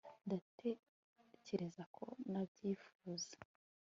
ndatekereza ko nabyifuza